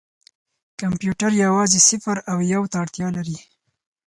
کمپیوټر یوازې صفر او یو ته اړتیا لري.